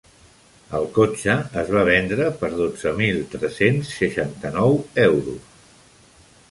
El cotxe es va vendre per dotze mil tres-cents seixanta-nou euros.